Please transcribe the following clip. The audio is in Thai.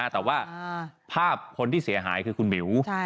แต่ว่าภาพคนที่เสียหายคือคุณหมิว